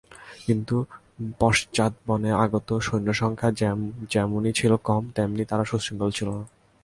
কিন্তু পশ্চাদ্ধাবনে আগত সৈন্যসংখ্যা যেমনি ছিল কম, তেমনি তারা সুশৃঙ্খলও ছিল না।